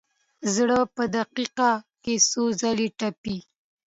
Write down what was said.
زړه په دقیقه کې څو ځله تپي.